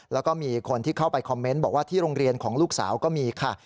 แล้วก็มีคนที่เข้าไปคอมเมนต์บอกว่าที่โรงเรียนของลูกสาวก็มีค่ะ